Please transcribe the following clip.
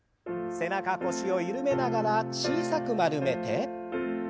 背中腰を緩めながら小さく丸めて。